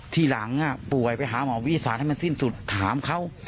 ทีหลังป่วยไปหาหมอวิทยาศาสตร์ให้มันสิ้นสุดถามเขา